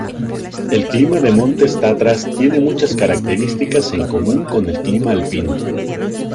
El clima de Montes Tatras tiene muchas características en común con el clima alpino.